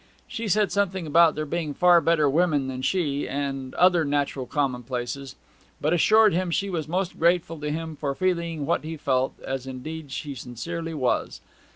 She said something about there being far better women than she, and other natural commonplaces; but assured him she was most grateful to him for feeling what he felt, as indeed she sincerely was.